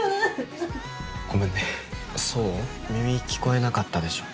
ごめんね想、耳聞こえなかったでしょ。